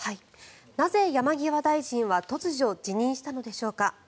なぜ、山際大臣は突如辞任したのでしょうか。